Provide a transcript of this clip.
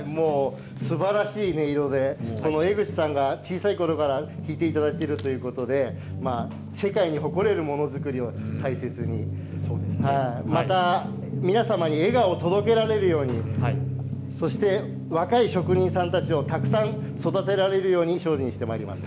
すばらしい音色で江口さんが小さいころから弾いていただいているということで世界に誇れるものづくりを大切にまた皆様に笑顔を届けられるようにそして若い職人さんたちをたくさん育てられるように精進してまいります。